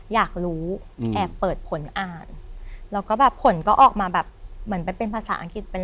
อยากรู้แอบเปิดผลอ่านแล้วก็แบบผลก็ออกมาแบบเหมือนเป็นภาษาอังกฤษเป็น